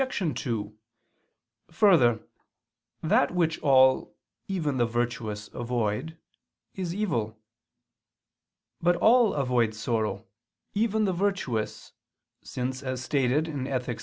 2: Further, that which all, even the virtuous, avoid, is evil. But all avoid sorrow, even the virtuous, since as stated in _Ethic.